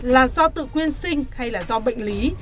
là do tự quyên sinh hay do bệnh lý